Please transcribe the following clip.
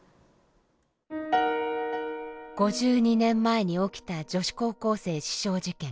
５２年前に起きた女子高校生刺傷事件。